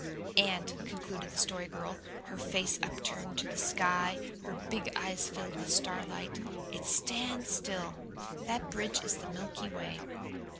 "And," concluded the Story Girl, her face upturned to the sky and her big eyes filled with starlight, "it stands still. That bridge is the Milky Way."